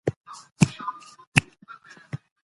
خپلواکي په اسانۍ نه ترلاسه کیږي.